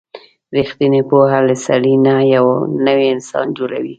رښتینې پوهه له سړي نه یو نوی انسان جوړوي.